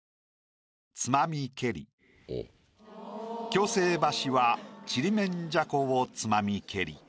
「矯正箸はちりめんじゃこを摘まみけり」。